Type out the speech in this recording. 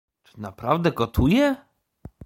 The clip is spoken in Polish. Czy naprawdę gotuje?